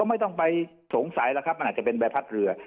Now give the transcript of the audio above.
ไม่ต้องไปสงสัยแล้วครับมันอาจจะเป็นใบพัดเรือ